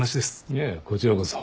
いえこちらこそ。